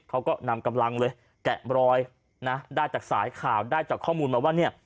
เขาก็นำกำลังเลยแกะรอยนะได้จากสายข่าวได้จากข้อมูลมาว่าเนี่ย